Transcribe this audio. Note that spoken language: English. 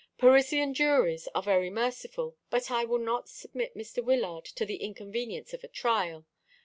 Parisian juries are very merciful; but I will not submit Mr. Wyllard to the inconvenience of a trial.